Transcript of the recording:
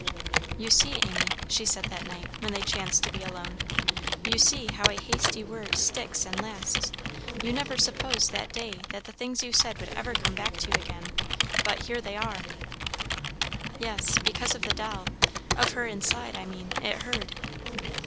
"You see, Amy," she said that night when they chanced to be alone, "you see how a hasty word sticks and lasts. You never supposed that day that the things you said would ever come back to you again, but here they are." "Yes because of the doll, of her inside, I mean. It heard."